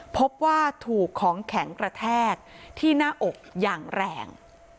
พบว่าถูกของแข็งกระแทกที่หน้าอกอย่างแรง